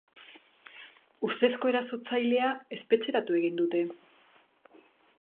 Ustezko erasotzailea espetxeratu egin dute.